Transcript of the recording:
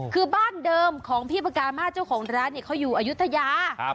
คือบ้านเดิมของพี่ปากามาสเจ้าของร้านเนี่ยเขาอยู่อายุทยา